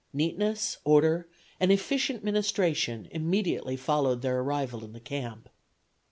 Neatness, order and efficient ministration immediately followed their arrival in the camp.